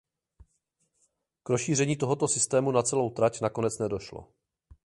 K rozšíření tohoto systému na celou trať nakonec nedošlo.